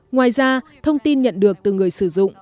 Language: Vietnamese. ngoài ra thông tin nhận được từ người sử dụng